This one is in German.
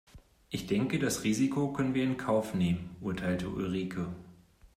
Ich denke das Risiko können wir in Kauf nehmen, urteilte Ulrike.